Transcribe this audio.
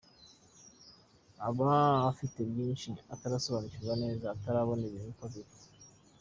Aba afite twinshi atarasobanukirwa neza, atarabona ibintu uko biri.